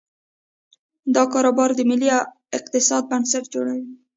دا کاروبارونه د ملي اقتصاد بنسټ جوړوي.